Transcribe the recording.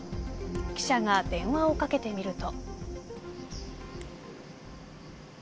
記者が電話をかけてみると。